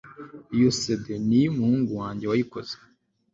iyo cd ni iyumuhungu wanjye wayikoze